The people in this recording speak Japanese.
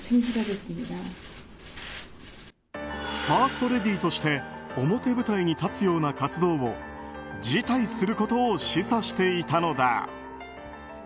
ファーストレディーとして表舞台に立つような活動を辞退することを示唆していたのだ。